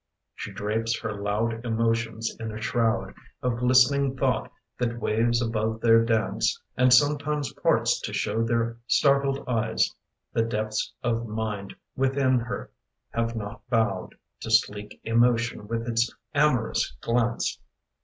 She drapes her loud emotions in a shroud Of glistening thought that waves above their dance And sometimes parts to show their startled eyes. The depths of mind within her have not bowed To sleek emotion with its amorous glance.